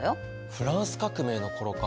フランス革命の頃か。